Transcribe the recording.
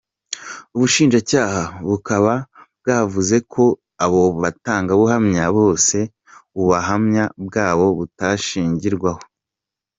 Ubushinjacyaha bukaba bwavuze ko abo batangabuhamya bose ubuhamya bwabo butashingirwaho.